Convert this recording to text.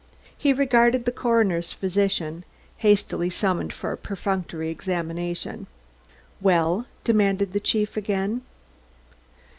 He regarded the coroner's physician, hastily summoned for a perfunctory examination. "Well?" demanded the chief again.